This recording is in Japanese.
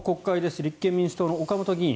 立憲民主党の岡本議員。